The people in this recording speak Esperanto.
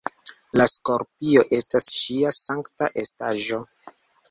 La skorpio estas ŝia sankta estaĵo.